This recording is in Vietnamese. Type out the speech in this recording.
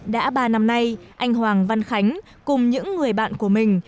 đã ba năm nay anh hoàng văn khánh cùng những người bạn của mình